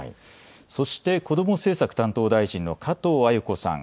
そして、こども政策担当大臣の加藤鮎子さん。